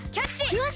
よし！